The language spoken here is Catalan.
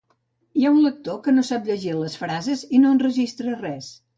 Hi ha un lector que no sap llegir les frases i no enregistra res